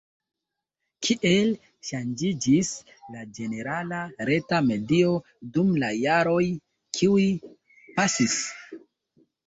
Kiel ŝanĝiĝis la ĝenerala reta medio dum la jaroj kiuj pasis?